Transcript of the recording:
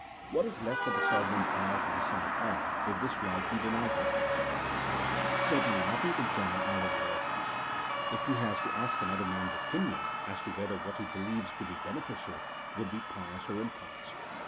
What is left for the sovereign power to decide on, if this right be denied him ? CHAP. XIX.] OF THE OUTWARD FORMS OF RELIGION. 253 Certainly nothing concerning either war or peace, if he has to ask another man's opinion as to whether what he believes to be beneficial would be pious or impious.